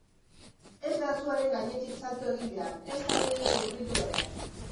Ez da suaren gainetik salto egin behar, ezta gehiegi hurbildu ere.